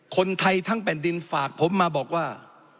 คนไทยทั้งแผ่นดินฝากผมมาบอกว่า